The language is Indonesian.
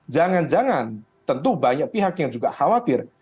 jangan jangan tentu banyak pihak yang juga khawatir